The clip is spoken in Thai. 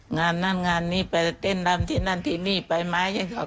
งานนั่นงานนี้ไปเต้นรำที่นั่นที่นี่ไปไหมครับ